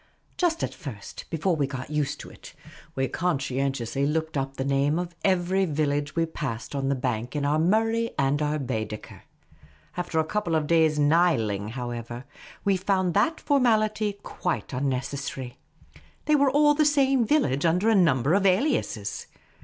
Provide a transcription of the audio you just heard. Just at first, before we got used to it, we conscientiously looked up the name of every village we passed on the bank in our Murray and our Baedeker. After a couple of days' Niling, however, we found that formality quite unnecessary. They were all the same village, under a number of aliases.